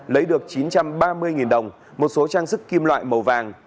lấy được chín trăm ba mươi đồng một số trang sức kim loại màu vàng